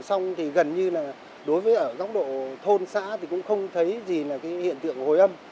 xong thì gần như là đối với ở góc độ thôn xã thì cũng không thấy gì là cái hiện tượng hồi âm